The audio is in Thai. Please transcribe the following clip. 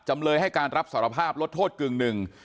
จำเลยให้การรับสารภาพลดโทษกึ่งหนึ่ง